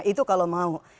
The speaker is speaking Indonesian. itu kalau mau